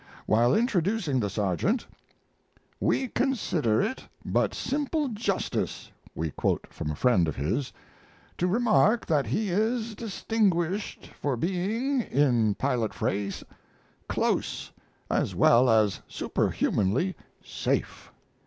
While introducing the Sergeant, "we consider it but simple justice (we quote from a friend of his) to remark that he is distinguished for being, in pilot phrase, 'close,' as well as superhumanly 'safe.'"